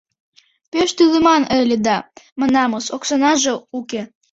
— Пеш тӱлыман ыле да, манамыс, оксанаже уке.